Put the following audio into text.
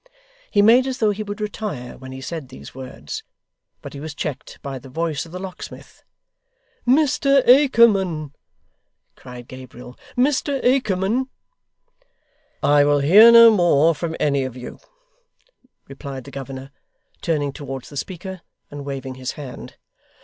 He made as though he would retire when he said these words, but he was checked by the voice of the locksmith. 'Mr Akerman,' cried Gabriel, 'Mr Akerman.' 'I will hear no more from any of you,' replied the governor, turning towards the speaker, and waving his hand.